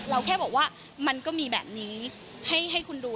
แค่บอกว่ามันก็มีแบบนี้ให้คุณดู